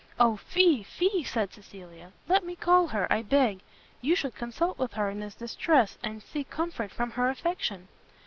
"O fie! fie!" said Cecilia, "let me call her, I beg; you should consult with her in this distress, and seek comfort from her affection."